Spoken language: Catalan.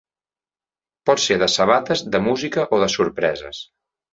Pot ser de sabates, de música o de sorpreses.